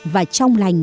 và trong lành